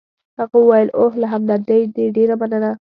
هغه وویل: اوه، له همدردۍ دي ډېره مننه.